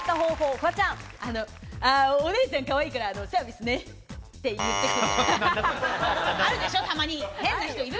フワちゃん。お姉さんかわいいからサービスねって言ってくれる。